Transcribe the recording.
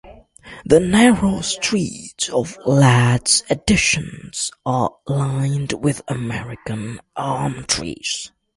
The narrow streets of Ladd's Addition are lined with American Elm trees.